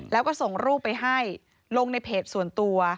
แล้วก็ส่งรูปไปให้ลงในเพจส่วนตัว